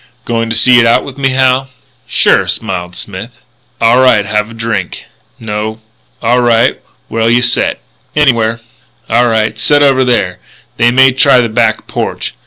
"Goin' to see it out with me, Hal?" "Sure," smiled Smith. "Aw' right. Have a drink?" "No." "Aw' right. Where'll you set?" "Anywhere." "Aw' right. Set over there. They may try the back porch.